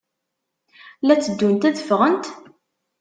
La tteddunt ad ffɣent?